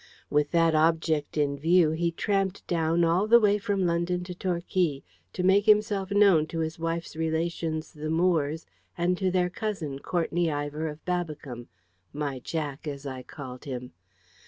With that object in view, he tramped down all the way from London to Torquay, to make himself known to his wife's relations, the Moores, and to their cousin, Courtenay Ivor of Babbicombe my Jack, as I called him.